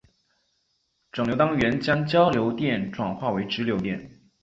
整流单元将交流电转化为直流电。